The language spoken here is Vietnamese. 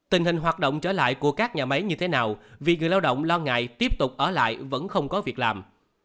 tình hình hoạt động trở lại của các nhà máy như thế nào vì người lao động lo ngại tiếp tục ở lại vẫn không có việc làm